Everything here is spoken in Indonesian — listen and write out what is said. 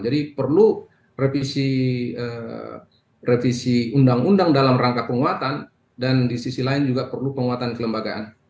jadi perlu revisi undang undang dalam rangka penguatan dan di sisi lain juga perlu penguatan kelembagaan